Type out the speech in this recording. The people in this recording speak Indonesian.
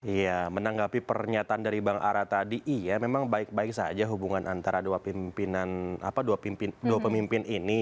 iya menanggapi pernyataan dari bang ara tadi iya memang baik baik saja hubungan antara dua pemimpin ini